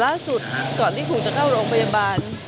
ล่าสุดก่อนที่ครูจะเข้าโรงพยาบาล